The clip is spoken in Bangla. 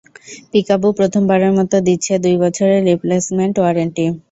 পিকাবু প্রথমবারের মতো দিচ্ছে দুই বছরের রিপ্লেসমেন্ট ওয়ারেন্টি।